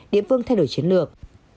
địa phương thay đổi chiến lược